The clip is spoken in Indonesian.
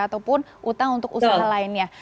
ataupun utang untuk usaha lainnya